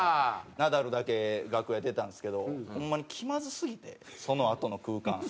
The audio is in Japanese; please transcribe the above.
ナダルだけ楽屋出たんですけどホンマに気まずすぎてそのあとの空間。